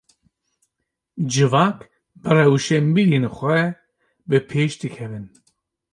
Civak, bi rewşenbîrên xwe bipêş dikevin